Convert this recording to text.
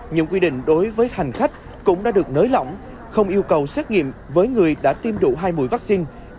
những quy định đối với hành khách cũng đã được nới lỏng không yêu cầu xét nghiệm với người đã tiêm đủ hai mũi vaccine